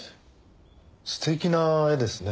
素敵な絵ですね。